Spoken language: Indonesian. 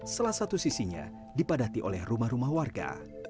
salah satu sisinya dipadati oleh rumah rumah warga